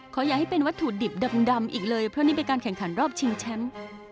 อย่าให้เป็นวัตถุดิบดำอีกเลยเพราะนี่เป็นการแข่งขันรอบชิงแชมป์